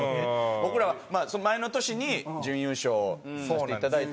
僕らは前の年に準優勝をさせていただいて。